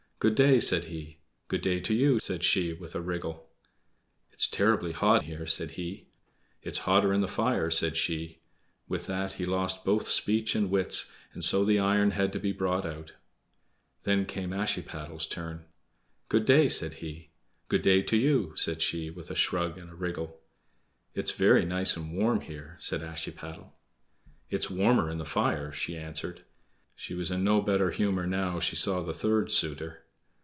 "Good day!" said he. "Good day to you," said she, with a wriggle. "It's terribly hot here!" said he. "It's hotter in the fire," said she. With that he lost both speech and wits, and so the iron had to be brought out. Then came Ashiepattle's turn. "Good day!" said he. "Good day to you!" said she, with a shrug and a wriggle. "It is very nice and warm here!" said Ashiepattle. "It's warmer in the fire," she answered. She was in no better humor now she saw the third suitor.